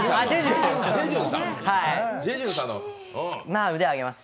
まあ腕上げます。